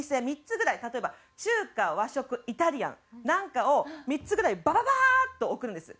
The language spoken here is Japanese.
例えば中華和食イタリアンなんかを３つぐらいバババーッと送るんです。